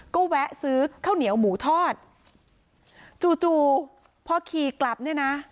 ก็แวะซื้อข้าวเหนียวหมูทอดจู่จู่พอขี่กลับเนี่ยนะ